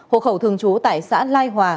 hộ khẩu thường trú tại xã lai hòa